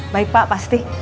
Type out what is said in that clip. baik pak pasti